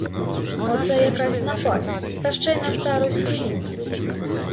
Оце яка напасть, та ще й на старості літ!